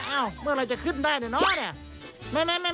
เอ้าเมื่อไรจะขึ้นได้เนี่ยเนอะเนี่ย